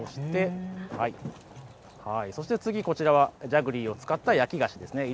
そして、次はジャグリーを使った焼き菓子です。